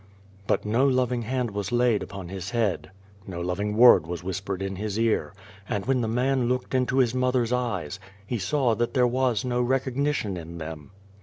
" But no loving hand was laid upon his head, no loving word was whispered in his ear, and when the man looked into his mother's eyes, he saw that there was no recognition in them.